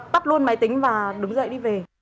tắt luôn máy tính và đứng dậy đi về